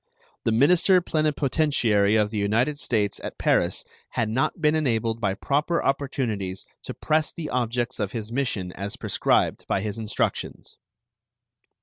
The minister plenipotentiary of the United States at Paris had not been enabled by proper opportunities to press the objects of his mission as prescribed by his instructions.